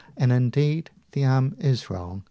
And indeed the arm is wrong.